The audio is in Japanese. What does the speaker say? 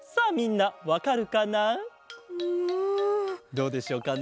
どうでしょうかね？